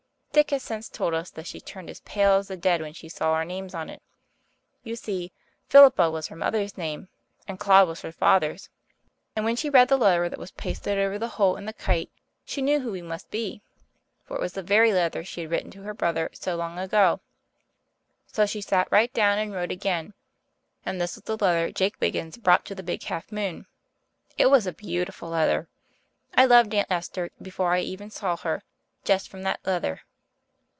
Dick has since told us that she turned as pale as the dead when she saw our names on it. You see, Philippa was her mother's name and Claude was her father's. And when she read the letter that was pasted over the hole in the kite she knew who we must be, for it was the very letter she had written to her brother so long ago. So she sat right down and wrote again, and this was the letter Jake Wiggins brought to the Big Half Moon. It was a beautiful letter. I loved Aunt Esther before I ever saw her, just from that letter.